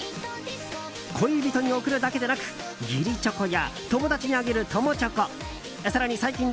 恋人に贈るだけでなく義理チョコや友達にあげる友